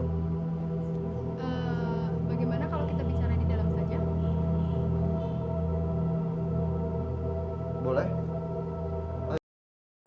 bagaimana kalau kita bicara di dalam saja